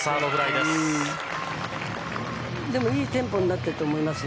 でも、いいテンポになってると思いますよ。